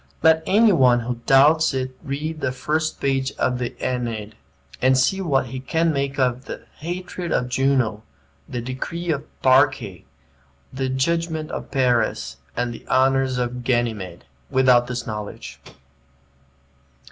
Let any one who doubts it read the first page of the "Aeneid," and see what he can make of "the hatred of Juno," the "decree of the Parcae," the "judgment of Paris," and the "honors of Ganymede," without this knowledge.